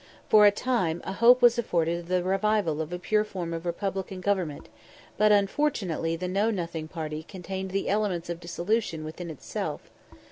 For a time a hope was afforded of the revival of a pure form of republican government, but unfortunately the Know nothing party contained the elements of dissolution within itself.